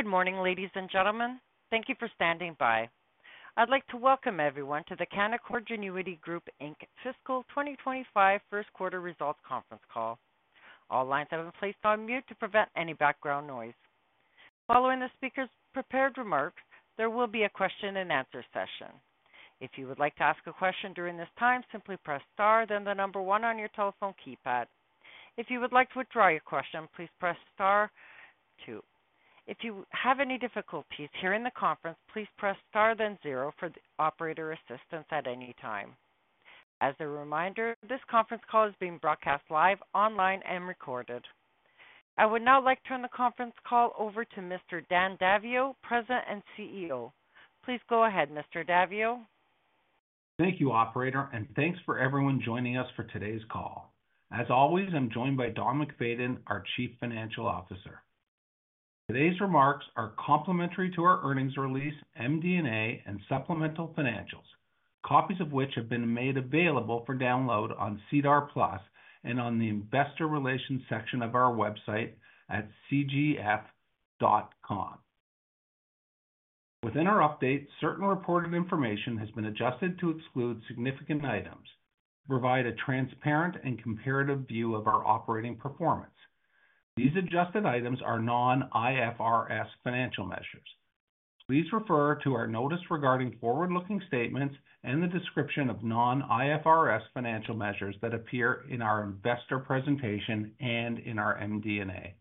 Good morning, ladies and gentlemen. Thank you for standing by. I'd like to welcome everyone to the Canaccord Genuity Group Inc. Fiscal 2025 first quarter results conference call. All lines have been placed on mute to prevent any background noise. Following the speaker's prepared remarks, there will be a question and answer session. If you would like to ask a question during this time, simply press star, then the number one on your telephone keypad. If you would like to withdraw your question, please press star two. If you have any difficulties hearing the conference, please press star, then zero for the operator assistance at any time. As a reminder, this conference call is being broadcast live online and recorded. I would now like to turn the conference call over to Mr. Dan Daviau, President and CEO. Please go ahead, Mr. Daviau. Thank you, operator, and thanks for everyone joining us for today's call. As always, I'm joined by Don MacFayden, our Chief Financial Officer. Today's remarks are complementary to our earnings release, MD&A, and supplemental financials, copies of which have been made available for download on SEDAR+ and on the investor relations section of our website at cgf.com. Within our update, certain reported information has been adjusted to exclude significant items to provide a transparent and comparative view of our operating performance. These adjusted items are non-IFRS financial measures. Please refer to our notice regarding forward-looking statements and the description of non-IFRS financial measures that appear in our investor presentation and in our MD&A.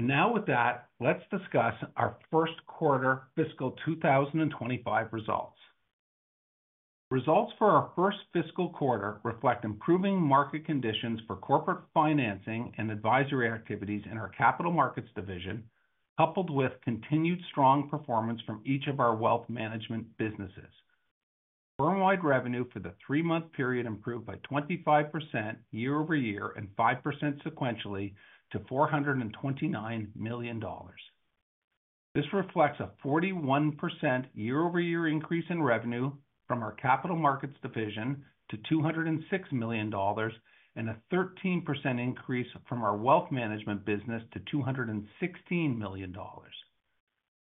Now with that, let's discuss our first quarter fiscal 2025 results. Results for our first fiscal quarter reflect improving market conditions for corporate financing and advisory activities in our Capital Markets division, coupled with continued strong performance from each of our wealth management businesses. Firm-wide revenue for the three-month period improved by 25% year-over-year and 5% sequentially to $429 million. This reflects a 41% year-over-year increase in revenue from our Capital Markets division to $206 million, and a 13% increase from our wealth management business to $216 million.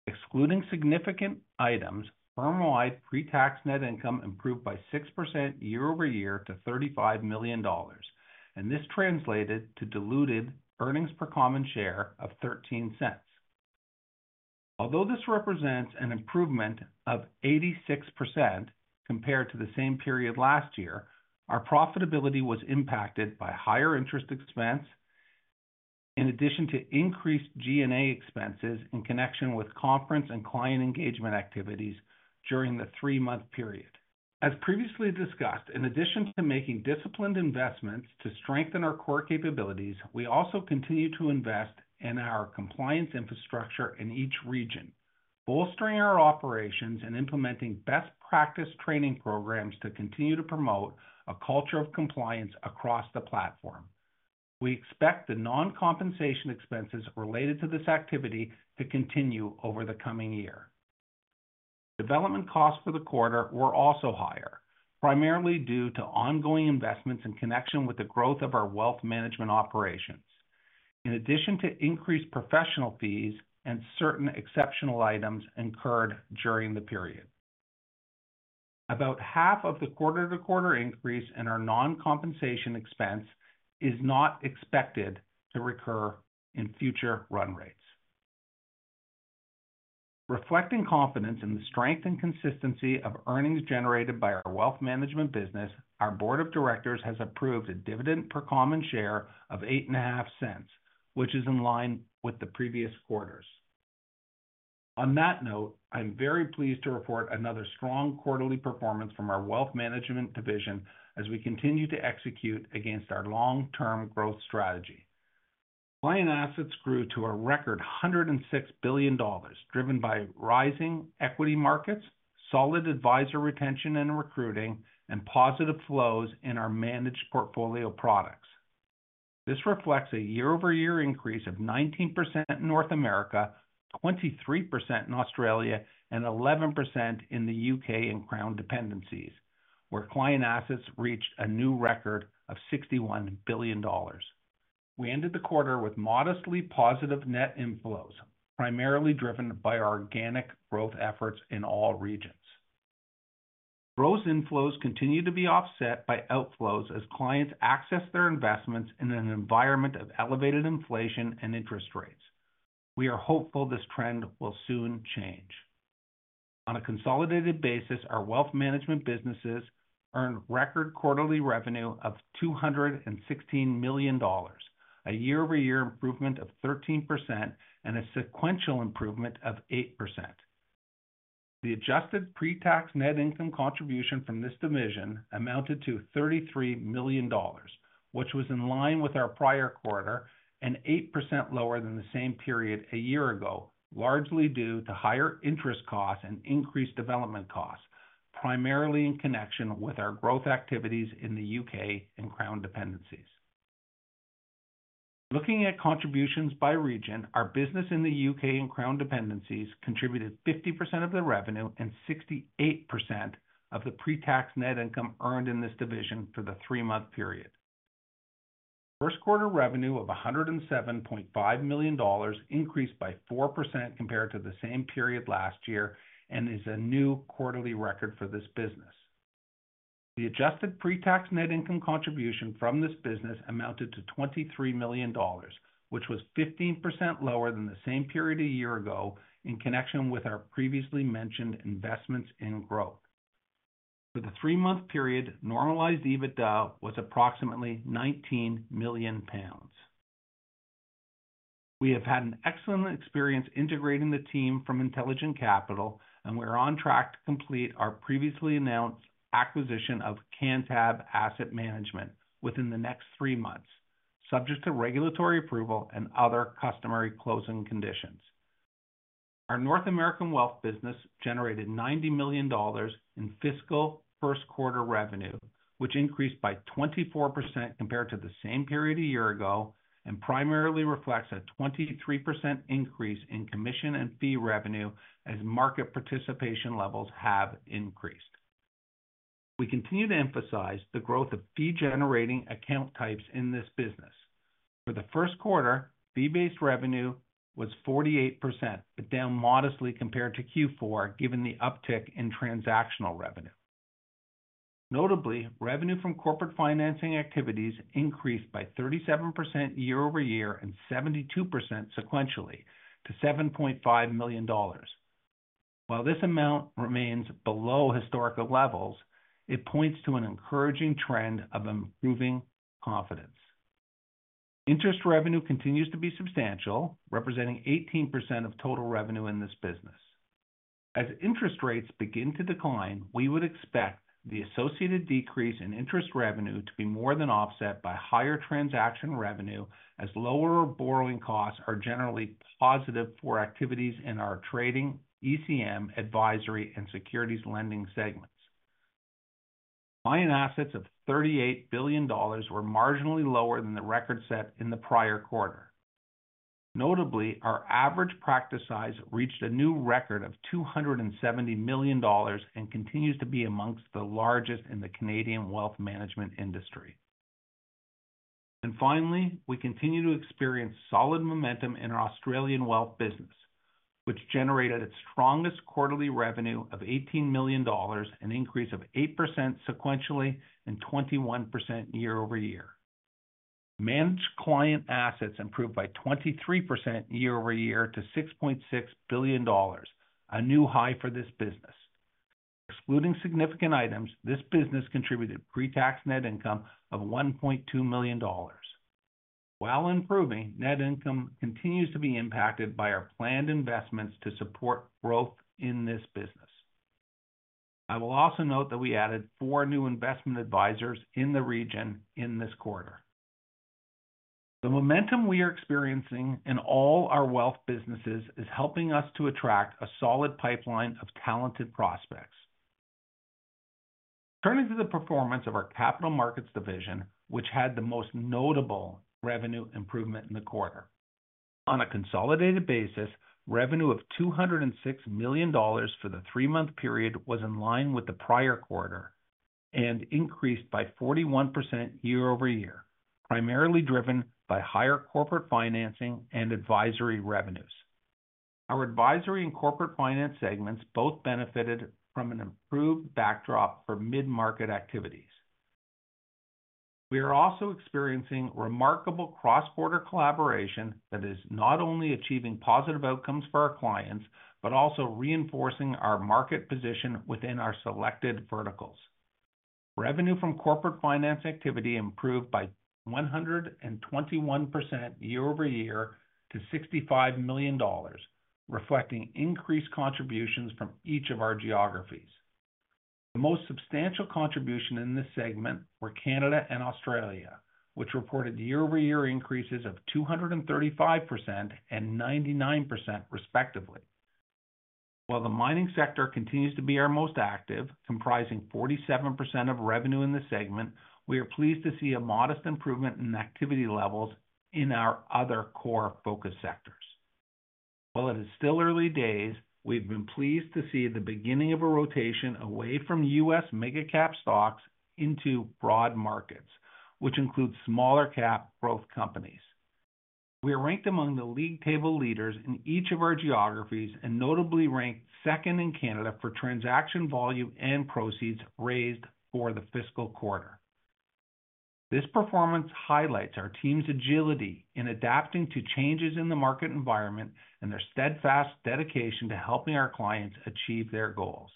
Excluding significant items, firm-wide pre-tax net income improved by 6% year-over-year to $35 million, and this translated to diluted earnings per common share of $0.13. Although this represents an improvement of 86% compared to the same period last year, our profitability was impacted by higher interest expense, in addition to increased G&A expenses in connection with conference and client engagement activities during the three-month period. As previously discussed, in addition to making disciplined investments to strengthen our core capabilities, we also continue to invest in our compliance infrastructure in each region, bolstering our operations and implementing best practice training programs to continue to promote a culture of compliance across the platform. We expect the non-compensation expenses related to this activity to continue over the coming year. Development costs for the quarter were also higher, primarily due to ongoing investments in connection with the growth of our wealth management operations, in addition to increased professional fees and certain exceptional items incurred during the period. About half of the quarter-to-quarter increase in our non-compensation expense is not expected to recur in future run rates. Reflecting confidence in the strength and consistency of earnings generated by our wealth management business, our Board of Directors has approved a dividend per common share of $0.085, which is in line with the previous quarters. On that note, I'm very pleased to report another strong quarterly performance from our Wealth Management division as we continue to execute against our long-term growth strategy. Client assets grew to a record $106 billion, driven by rising equity markets, solid advisor retention and recruiting, and positive flows in our managed portfolio products. This reflects a year-over-year increase of 19% in North America, 23% in Australia, and 11% in the U.K. and Crown Dependencies, where client assets reached a new record of $61 billion. We ended the quarter with modestly positive net inflows, primarily driven by our organic growth efforts in all regions. Gross inflows continue to be offset by outflows as clients access their investments in an environment of elevated inflation and interest rates. We are hopeful this trend will soon change. On a consolidated basis, our wealth management businesses earned record quarterly revenue of $216 million, a year-over-year improvement of 13% and a sequential improvement of 8%. The adjusted pre-tax net income contribution from this division amounted to $33 million, which was in line with our prior quarter and 8% lower than the same period a year ago, largely due to higher interest costs and increased development costs, primarily in connection with our growth activities in the U.K. and Crown Dependencies. Looking at contributions by region, our business in the U.K. and Crown Dependencies contributed 50% of the revenue and 68% of the pre-tax net income earned in this division for the three-month period. First quarter revenue of $107.5 million increased by 4% compared to the same period last year, and is a new quarterly record for this business. The adjusted pre-tax net income contribution from this business amounted to $23 million, which was 15% lower than the same period a year ago, in connection with our previously mentioned investments in growth. For the three-month period, normalized EBITDA was approximately 19 million pounds. We have had an excellent experience integrating the team from Intelligent Capital, and we're on track to complete our previously announced acquisition of Cantab Asset Management within the next three months, subject to regulatory approval and other customary closing conditions. Our North American Wealth business generated $90 million in fiscal first quarter revenue, which increased by 24% compared to the same period a year ago, and primarily reflects a 23% increase in commission and fee revenue as market participation levels have increased. We continue to emphasize the growth of fee-generating account types in this business. For the first quarter, fee-based revenue was 48%, but down modestly compared to Q4, given the uptick in transactional revenue. Notably, revenue from corporate financing activities increased by 37% year-over-year and 72% sequentially to $7.5 million. While this amount remains below historical levels, it points to an encouraging trend of improving confidence. Interest revenue continues to be substantial, representing 18% of total revenue in this business. As interest rates begin to decline, we would expect the associated decrease in interest revenue to be more than offset by higher transaction revenue, as lower borrowing costs are generally positive for activities in our trading, ECM, advisory, and securities lending segments. Client assets of $38 billion were marginally lower than the record set in the prior quarter. Notably, our average practice size reached a new record of $270 million and continues to be amongst the largest in the Canadian wealth management industry. Finally, we continue to experience solid momentum in our Australian wealth business, which generated its strongest quarterly revenue of $18 million, an increase of 8% sequentially and 21% year-over-year. Managed client assets improved by 23% year-over-year to $6.6 billion, a new high for this business. Excluding significant items, this business contributed pre-tax net income of $1.2 million. While improving, net income continues to be impacted by our planned investments to support growth in this business. I will also note that we added four new investment advisors in the region in this quarter. The momentum we are experiencing in all our wealth businesses is helping us to attract a solid pipeline of talented prospects. Turning to the performance of our Capital Markets division, which had the most notable revenue improvement in the quarter. On a consolidated basis, revenue of $206 million for the three-month period was in line with the prior quarter and increased by 41% year-over-year, primarily driven by higher corporate financing and advisory revenues. Our advisory and corporate finance segments both benefited from an improved backdrop for mid-market activities. We are also experiencing remarkable cross-border collaboration that is not only achieving positive outcomes for our clients, but also reinforcing our market position within our selected verticals. Revenue from corporate finance activity improved by 121% year-over-year to $65 million, reflecting increased contributions from each of our geographies. The most substantial contribution in this segment were Canada and Australia, which reported year-over-year increases of 235% and 99% respectively. While the mining sector continues to be our most active, comprising 47% of revenue in the segment, we are pleased to see a modest improvement in activity levels in our other core focus sectors. While it is still early days, we've been pleased to see the beginning of a rotation away from U.S. mega-cap stocks into broad markets, which includes smaller cap growth companies. We are ranked among the league table leaders in each of our geographies and notably ranked second in Canada for transaction volume and proceeds raised for the fiscal quarter. This performance highlights our team's agility in adapting to changes in the market environment and their steadfast dedication to helping our clients achieve their goals.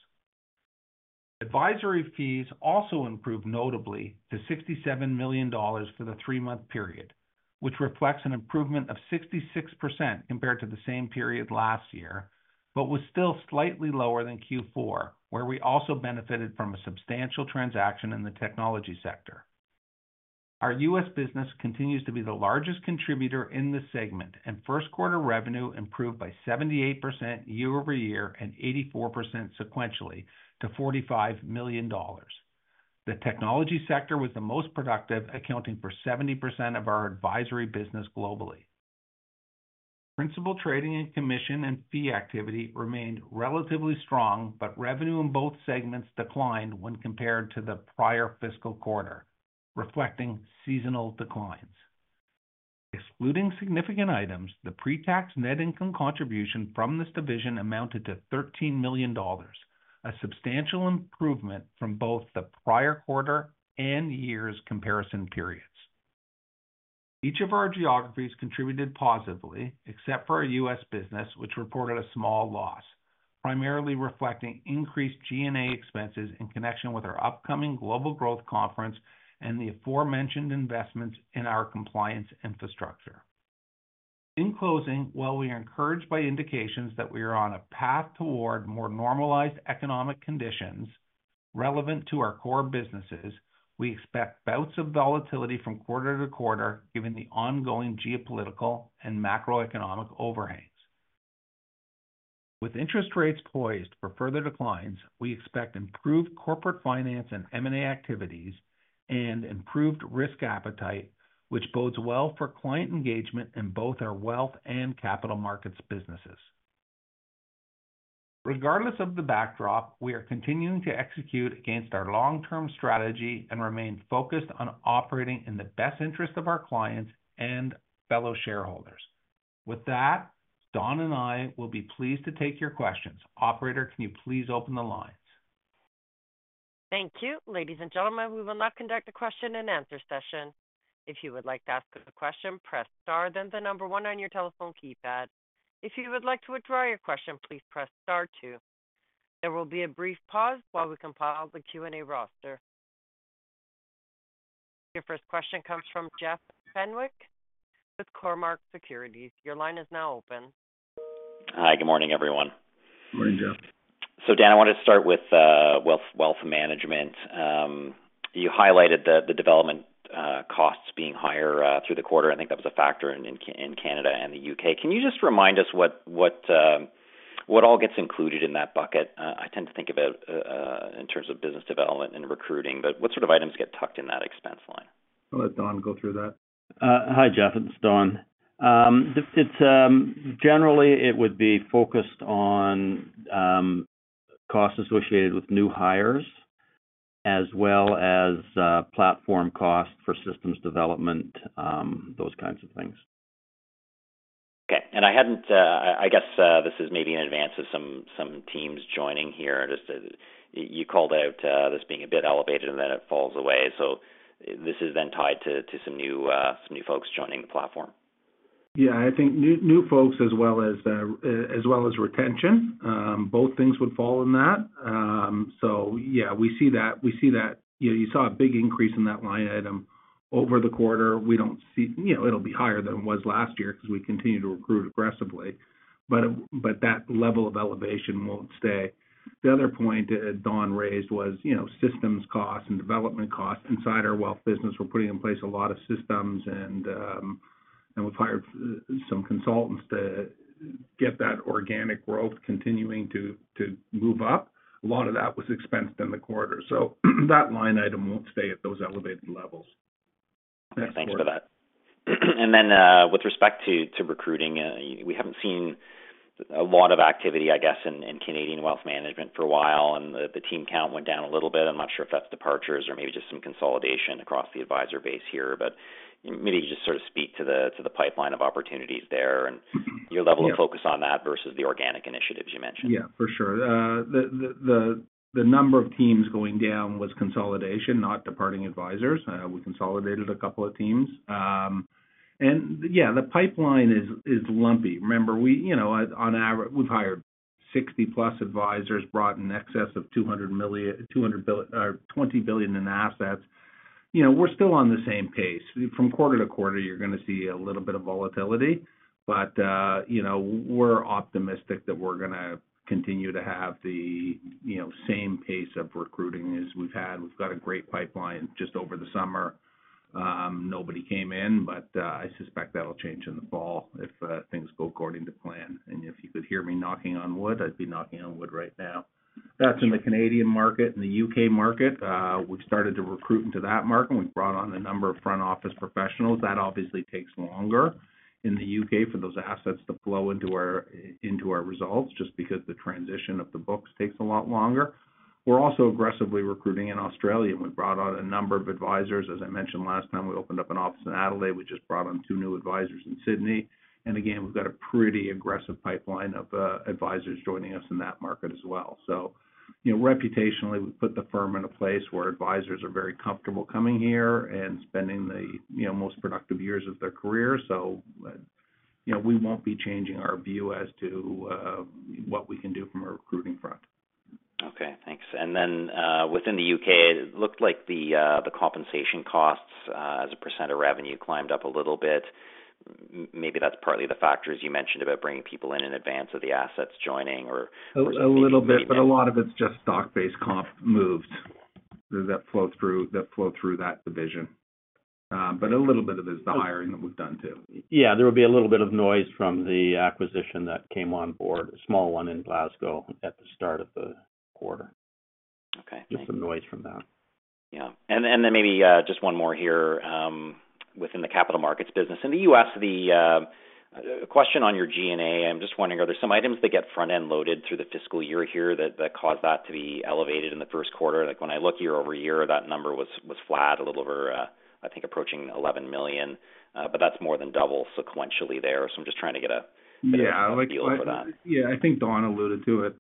Advisory fees also improved notably to $67 million for the three-month period, which reflects an improvement of 66% compared to the same period last year, but was still slightly lower than Q4, where we also benefited from a substantial transaction in the technology sector. Our U.S. business continues to be the largest contributor in this segment, and first quarter revenue improved by 78% year-over-year and 84% sequentially to $45 million. The technology sector was the most productive, accounting for 70% of our advisory business globally. Principal trading and commission and fee activity remained relatively strong, but revenue in both segments declined when compared to the prior fiscal quarter, reflecting seasonal declines. Excluding significant items, the pre-tax net income contribution from this division amounted to $13 million, a substantial improvement from both the prior quarter and year's comparison periods. Each of our geographies contributed positively, except for our U.S. business, which reported a small loss, primarily reflecting increased G&A expenses in connection with our upcoming Global Growth Conference and the aforementioned investments in our compliance infrastructure. In closing, while we are encouraged by indications that we are on a path toward more normalized economic conditions relevant to our core businesses, we expect bouts of volatility from quarter-to-quarter, given the ongoing geopolitical and macroeconomic overhangs. With interest rates poised for further declines, we expect improved corporate finance and M&A activities and improved risk appetite, which bodes well for client engagement in both our wealth and capital markets businesses. Regardless of the backdrop, we are continuing to execute against our long-term strategy and remain focused on operating in the best interest of our clients and fellow shareholders. With that, Don and I will be pleased to take your questions. Operator, can you please open the lines? Thank you. Ladies and gentlemen, we will now conduct a question-and-answer session. If you would like to ask a question, press star, then the number one on your telephone keypad. If you would like to withdraw your question, please press star two. There will be a brief pause while we compile the Q&A roster. Your first question comes from Jeff Fenwick with Cormark Securities. Your line is now open. Hi, good morning, everyone. Morning, Jeff. So Dan, I want to start with, wealth, wealth management. You highlighted the, the development, costs being higher, through the quarter. I think that was a factor in, in Canada and the U.K. Can you just remind us what, what, what all gets included in that bucket? I tend to think about, in terms of business development and recruiting, but what sort of items get tucked in that expense line? I'll let Don go through that. Hi, Jeff, it's Don. It's generally, it would be focused on costs associated with new hires, as well as platform costs for systems development, those kinds of things. Okay. And I hadn't, I guess, this is maybe in advance of some teams joining here. Just, you called out this being a bit elevated, and then it falls away. So this is then tied to some new folks joining the platform? Yeah, I think new folks as well as retention. Both things would fall in that. So yeah, we see that. We see that... You know, you saw a big increase in that line item over the quarter. We don't see. You know, it'll be higher than it was last year because we continue to recruit aggressively, but that level of elevation won't stay. The other point that Don raised was, you know, systems costs and development costs. Inside our wealth business, we're putting in place a lot of systems, and we've hired some consultants to get that organic growth continuing to move up. A lot of that was expensed in the quarter, so that line item won't stay at those elevated levels. Thanks for that. Then, with respect to recruiting, we haven't seen a lot of activity, I guess, in Canadian wealth management for a while, and the team count went down a little bit. I'm not sure if that's departures or maybe just some consolidation across the advisor base here. But maybe just sort of speak to the pipeline of opportunities there and- Mm-hmm. Yeah your level of focus on that versus the organic initiatives you mentioned. Yeah, for sure. The number of teams going down was consolidation, not departing advisors. We consolidated a couple of teams. And yeah, the pipeline is lumpy. Remember, we, you know, on average, we've hired 60+ advisors, brought in excess of $20 billion in assets. You know, we're still on the same pace. From quarter-to-quarter, you're going to see a little bit of volatility, but, you know, we're optimistic that we're going to continue to have the, you know, same pace of recruiting as we've had. We've got a great pipeline. Just over the summer, nobody came in, but, I suspect that'll change in the fall if, things go according to plan. And if you could hear me knocking on wood, I'd be knocking on wood right now. That's in the Canadian market. In the U.K. market, we've started to recruit into that market, and we've brought on a number of front office professionals. That obviously takes longer in the U.K. for those assets to flow into our, into our results, just because the transition of the books takes a lot longer. We're also aggressively recruiting in Australia, and we've brought on a number of advisors. As I mentioned last time, we opened up an office in Adelaide. We just brought on two new advisors in Sydney. And again, we've got a pretty aggressive pipeline of advisors joining us in that market as well. So you know, reputationally, we've put the firm in a place where advisors are very comfortable coming here and spending the, you know, most productive years of their career. You know, we won't be changing our view as to what we can do from a recruiting front. Okay, thanks. And then, within the U.K., it looked like the compensation costs as a % of revenue climbed up a little bit. Maybe that's partly the factors you mentioned about bringing people in in advance of the assets joining or- A little bit, but a lot of it's just stock-based comp moves that flow through, that flow through that division. But a little bit of it's the hiring that we've done, too. Yeah, there will be a little bit of noise from the acquisition that came on board, a small one in Glasgow, at the start of the quarter.... Okay, just some noise from that. Yeah. And then maybe just one more here within the capital markets business. In the U.S., the question on your G&A, I'm just wondering, are there some items that get front-end loaded through the fiscal year here that cause that to be elevated in the first quarter? Like, when I look year-over-year, that number was flat, a little over, I think approaching $11 million. But that's more than double sequentially there. So I'm just trying to get a- Yeah- Feel for that. Yeah, I think Don alluded to it,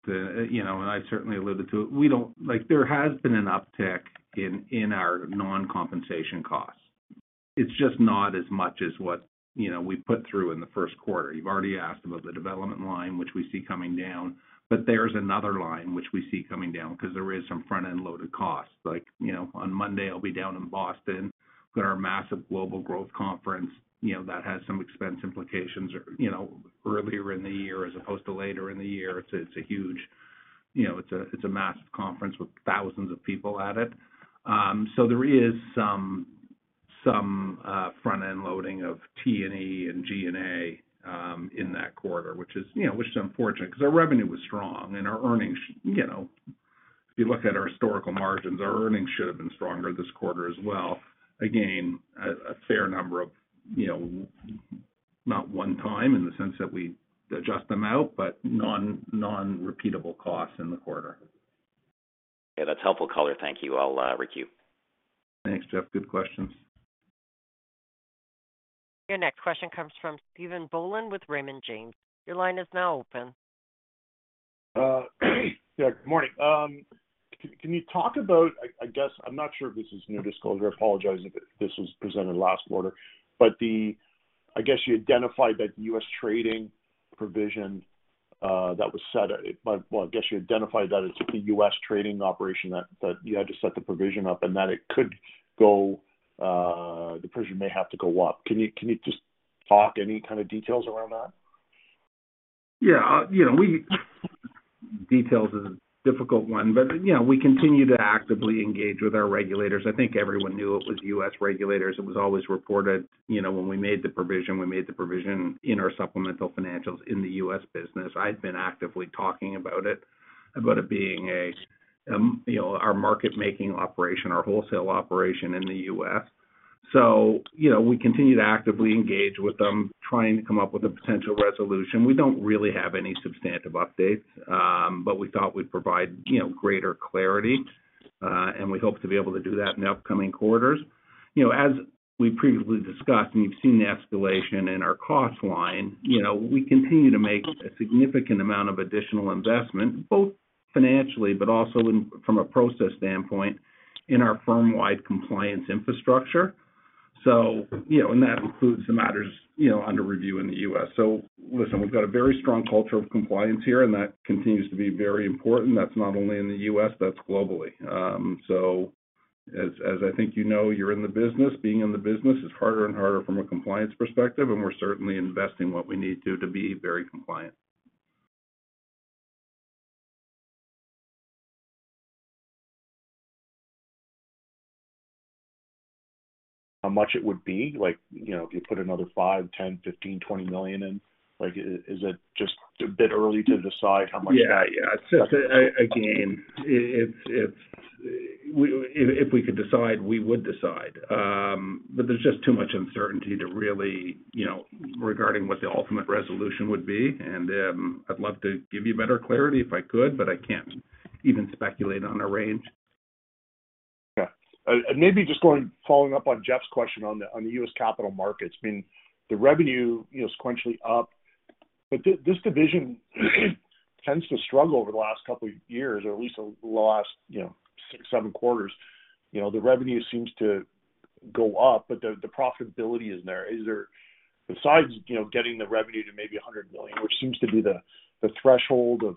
you know, and I certainly alluded to it. We don't—like, there has been an uptick in our non-compensation costs. It's just not as much as what, you know, we put through in the first quarter. You've already asked about the development line, which we see coming down, but there's another line which we see coming down because there is some front-end loaded costs. Like, you know, on Monday, I'll be down in Boston at our massive Global Growth Conference, you know, that has some expense implications, or, you know, earlier in the year as opposed to later in the year. It's a huge, you know, it's a massive conference with thousands of people at it. So there is some front-end loading of T&E and G&A in that quarter, which is, you know, which is unfortunate because our revenue was strong and our earnings, you know, if you look at our historical margins, our earnings should have been stronger this quarter as well. Again, a fair number of, you know, not one time in the sense that we adjust them out, but non-repeatable costs in the quarter. Yeah, that's helpful color. Thank you. I'll requeue. Thanks, Jeff. Good questions. Your next question comes from Stephen Boland with Raymond James. Your line is now open. Yeah, good morning. Can you talk about—I guess I'm not sure if this is new disclosure. I apologize if this was presented last quarter. But the I guess you identified that the U.S. trading provision that was set, well, I guess you identified that as the U.S. trading operation, that you had to set the provision up and that it could go, the provision may have to go up. Can you just talk any kind of details around that? Yeah, you know, details is a difficult one, but, you know, we continue to actively engage with our regulators. I think everyone knew it was U.S. regulators. It was always reported, you know, when we made the provision, we made the provision in our supplemental financials in the U.S. business. I'd been actively talking about it, about it being a, you know, our market-making operation, our wholesale operation in the U.S. So, you know, we continue to actively engage with them, trying to come up with a potential resolution. We don't really have any substantive updates, but we thought we'd provide, you know, greater clarity, and we hope to be able to do that in the upcoming quarters. You know, as we previously discussed, and you've seen the escalation in our cost line, you know, we continue to make a significant amount of additional investment, both financially but also in from a process standpoint, in our firm-wide compliance infrastructure. So, you know, and that includes the matters, you know, under review in the U.S. So listen, we've got a very strong culture of compliance here, and that continues to be very important. That's not only in the U.S., that's globally. So as I think you know, you're in the business, being in the business is harder and harder from a compliance perspective, and we're certainly investing what we need to be very compliant. How much it would be? Like, you know, if you put another $5 million, $10 million, $15 million, $20 million in, like, is it just a bit early to decide how much- Yeah. Yeah, it's just again if we could decide, we would decide. But there's just too much uncertainty to really, you know, regarding what the ultimate resolution would be. And I'd love to give you better clarity if I could, but I can't even speculate on a range. Yeah. And maybe just following up on Jeff's question on the, on the U.S. capital markets. I mean, the revenue, you know, sequentially up, but this division tends to struggle over the last couple of years, or at least the last, you know, six, seven quarters. You know, the revenue seems to go up, but the, the profitability is there. Is there, besides, you know, getting the revenue to maybe $100 million, which seems to be the, the threshold of,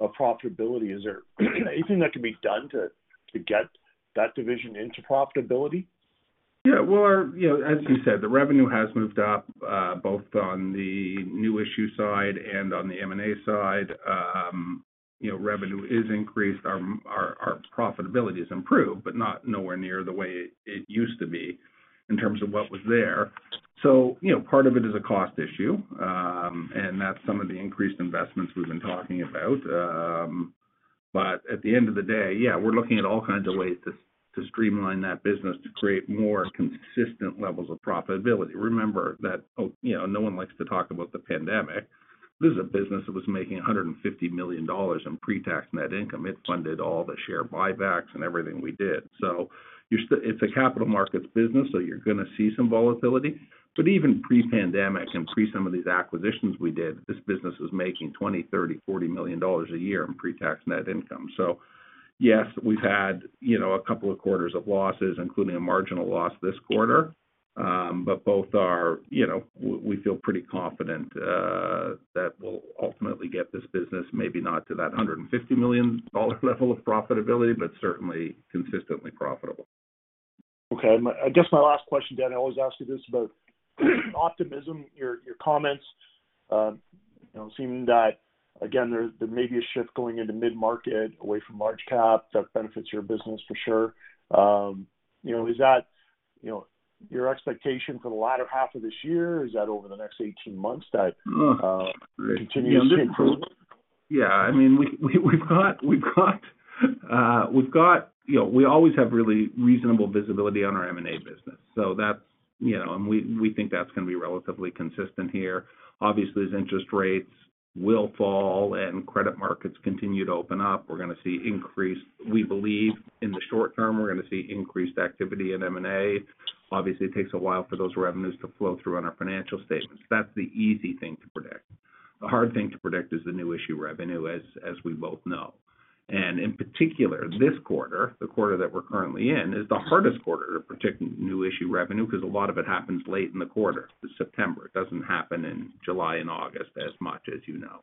of profitability, is there anything that can be done to, to get that division into profitability? Yeah, well, our you know, as you said, the revenue has moved up, both on the new issue side and on the M&A side. You know, revenue is increased. Our profitability has improved, but not nowhere near the way it used to be in terms of what was there. So, you know, part of it is a cost issue, and that's some of the increased investments we've been talking about. But at the end of the day, yeah, we're looking at all kinds of ways to streamline that business to create more consistent levels of profitability. Remember that, oh, you know, no one likes to talk about the pandemic. This is a business that was making $150 million in pre-tax net income. It funded all the share buybacks and everything we did. So it's a capital markets business, so you're going to see some volatility. But even pre-pandemic and pre some of these acquisitions we did, this business was making $20-40 million a year in pre-tax net income. So yes, we've had, you know, a couple of quarters of losses, including a marginal loss this quarter. But both are, you know, we feel pretty confident that we'll ultimately get this business, maybe not to that $150 million level of profitability, but certainly consistently profitable. Okay. My—I guess my last question, Dan. I always ask you this, about optimism, your comments. You know, seeing that, again, there may be a shift going into mid-market away from large cap. That benefits your business for sure. You know, is that?... You know, your expectation for the latter half of this year, is that over the next 18 months that, continuous improve? Yeah, I mean, we've got -- you know, we always have really reasonable visibility on our M&A business. So that's, you know, and we think that's going to be relatively consistent here. Obviously, as interest rates will fall and credit markets continue to open up, we're gonna see increased... We believe in the short term, we're gonna see increased activity in M&A. Obviously, it takes a while for those revenues to flow through on our financial statements. That's the easy thing to predict. The hard thing to predict is the new issue revenue, as we both know. And in particular, this quarter, the quarter that we're currently in, is the hardest quarter to predict new issue revenue, because a lot of it happens late in the quarter, September. It doesn't happen in July and August as much as you know.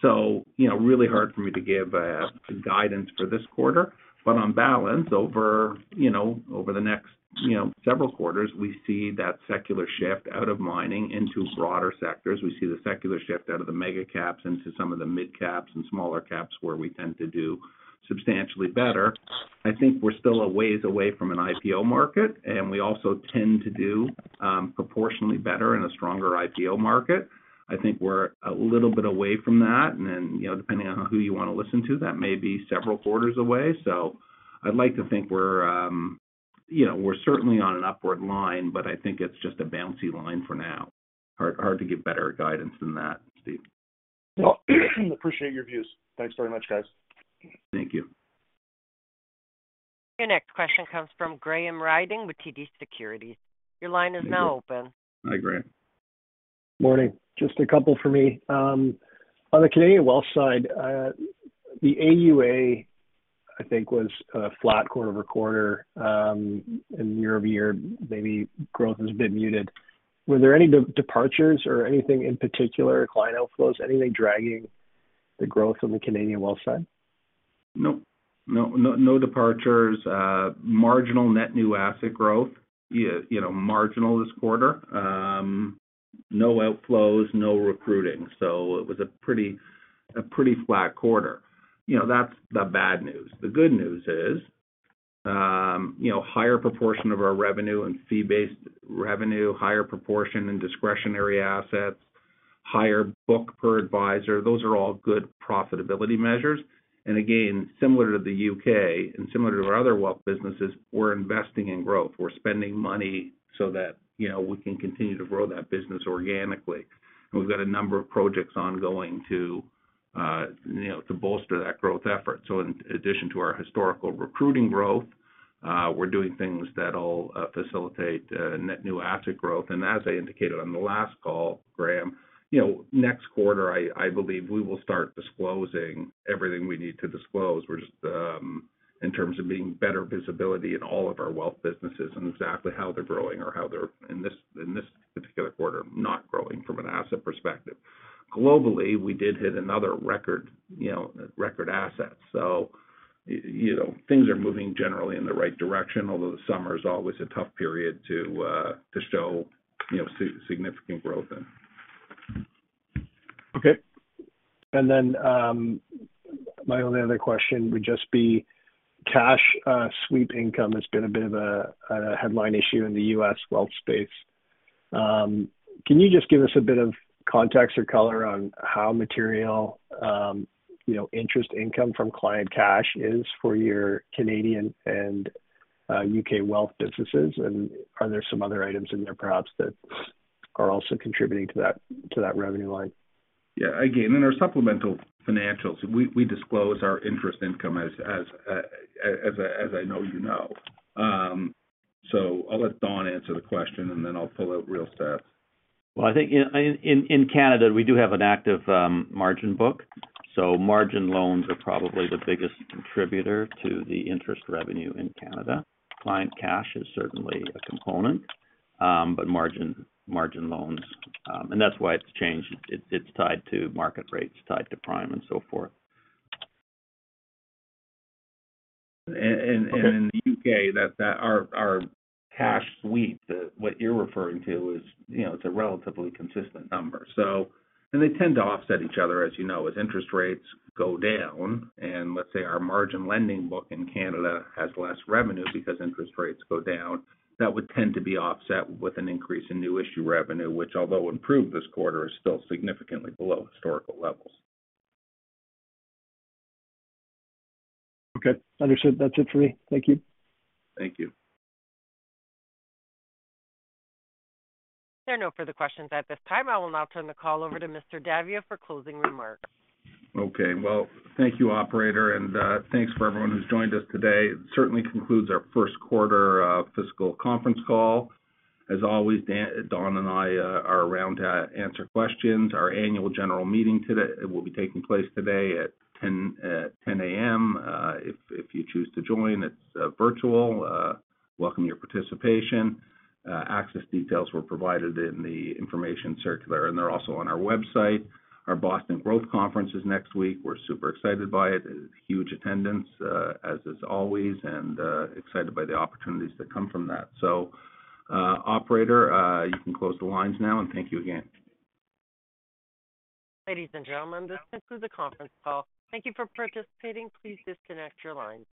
So, you know, really hard for me to give some guidance for this quarter. But on balance, over, you know, over the next, you know, several quarters, we see that secular shift out of mining into broader sectors. We see the secular shift out of the mega caps into some of the mid caps and smaller caps, where we tend to do substantially better. I think we're still a ways away from an IPO market, and we also tend to do proportionately better in a stronger IPO market. I think we're a little bit away from that. And then, you know, depending on who you want to listen to, that may be several quarters away. So I'd like to think we're, you know, we're certainly on an upward line, but I think it's just a bouncy line for now. Hard, hard to give better guidance than that, Steve. Well, appreciate your views. Thanks very much, guys. Thank you. Your next question comes from Graham Ryding with TD Securities. Your line is now open. Hi, Graham. Morning. Just a couple for me. On the Canadian wealth side, the AUA, I think, was flat quarter-over-quarter, and year-over-year, maybe growth has been muted. Were there any departures or anything in particular, client outflows, anything dragging the growth on the Canadian wealth side? Nope. No, no departures. Marginal net new asset growth, yeah, you know, marginal this quarter. No outflows, no recruiting. So it was a pretty, a pretty flat quarter. You know, that's the bad news. The good news is, you know, higher proportion of our revenue and fee-based revenue, higher proportion in discretionary assets, higher book per advisor. Those are all good profitability measures. And again, similar to the UK and similar to our other wealth businesses, we're investing in growth. We're spending money so that, you know, we can continue to grow that business organically. We've got a number of projects ongoing to, you know, to bolster that growth effort. So in addition to our historical recruiting growth, we're doing things that'll facilitate net new asset growth. As I indicated on the last call, Graham, you know, next quarter, I, I believe we will start disclosing everything we need to disclose. We're just in terms of being better visibility in all of our wealth businesses and exactly how they're growing or how they're, in this, in this particular quarter, not growing from an asset perspective. Globally, we did hit another record, you know, record assets. So, you know, things are moving generally in the right direction, although the summer is always a tough period to to show, you know, significant growth in. Okay. And then, my only other question would just be cash sweep income has been a bit of a headline issue in the U.S. wealth space. Can you just give us a bit of context or color on how material, you know, interest income from client cash is for your Canadian and U.K. wealth businesses? And are there some other items in there, perhaps, that are also contributing to that revenue line? Yeah. Again, in our supplemental financials, we disclose our interest income as I know you know. So, I'll let Don answer the question, and then I'll pull out real stats. Well, I think in Canada, we do have an active margin book, so margin loans are probably the biggest contributor to the interest revenue in Canada. Client cash is certainly a component, but margin loans... And that's why it's changed. It, it's tied to market rates, tied to prime and so forth. And in the U.K., that our cash sweep, the - what you're referring to is, you know, it's a relatively consistent number. So - and they tend to offset each other, as you know. As interest rates go down, and let's say our margin lending book in Canada has less revenue because interest rates go down, that would tend to be offset with an increase in new issue revenue, which although improved this quarter, is still significantly below historical levels. Okay, understood. That's it for me. Thank you. Thank you. There are no further questions at this time. I will now turn the call over to Mr. Daviau for closing remarks. Okay. Well, thank you, operator, and thanks for everyone who's joined us today. It certainly concludes our first quarter fiscal conference call. As always, Don and I are around to answer questions. Our Annual General Meeting today, it will be taking place today at 10, at 10 A.M. If you choose to join, it's virtual. Welcome your participation. Access details were provided in the information circular, and they're also on our website. Our Boston Growth Conference is next week. We're super excited by it. It is huge attendance, as always, and excited by the opportunities that come from that. So, operator, you can close the lines now, and thank you again. Ladies and gentlemen, this concludes the conference call. Thank you for participating. Please disconnect your lines.